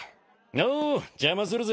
おう邪魔するぜ。